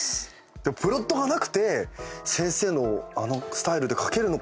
プロットがなくて先生のあのスタイルで書けるのかっていう。